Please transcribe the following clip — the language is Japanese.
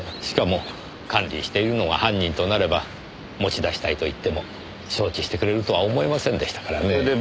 しかも管理しているのが犯人となれば持ち出したいと言っても承知してくれるとは思えませんでしたからねえ。